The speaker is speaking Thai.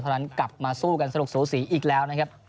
นั้นกลับมาสู้กันสนุกสูสีอีกแล้วนะครับ